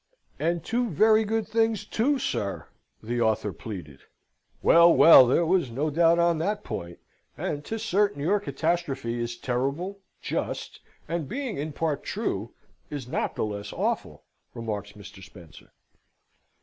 "And two very good things too, sir!" the author pleaded. "Well, well, there was no doubt on that point; and 'tis certain your catastrophe is terrible, just, and being in part true, is not the less awful," remarks Mr. Spencer.